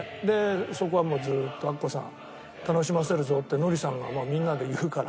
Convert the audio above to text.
そこはもうずーっと「アッコさん楽しませるぞ」ってノリさんがみんなに言うから。